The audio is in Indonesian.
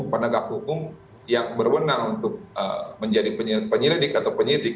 penegak hukum yang berwenang untuk menjadi penyelidik atau penyidik